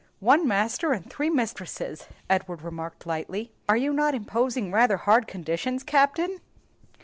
"One master and three mistresses!" Edward remarked lightly; "are you not imposing rather hard conditions, Captain?"